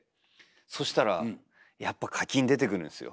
そしたらやっぱ課金出てくるんですよ。